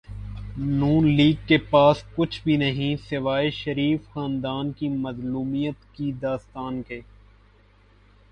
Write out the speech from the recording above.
ن لیگ کے پاس کچھ بھی نہیں سوائے شریف خاندان کی مظلومیت کی داستان کے۔